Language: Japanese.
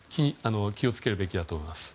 気を付けるべきだと思います。